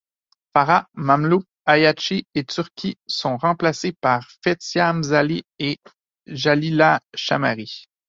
Farhat, Mamlouk, Ayachi et Turki sont remplacées par Fethia Mzali et Jalila Chammari.